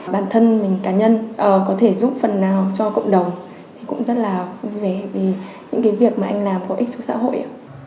bản thân mình cá nhân có thể giúp phần nào cho cộng đồng thì cũng rất là vui vẻ vì những cái việc mà anh làm có ích cho xã hội